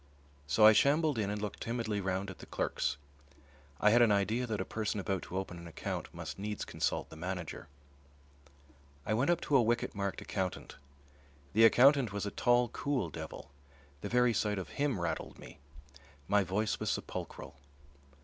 So I shambled in and looked timidly round at the clerks. I had an idea that a person about to open an account must needs consult the manager. I went up to a wicket marked "Accountant." The accountant was a tall, cool devil. The very sight of him rattled me. My voice was sepulchral.